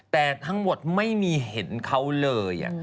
แต่ทั้งหมดไม่มีเห็นเขาเลย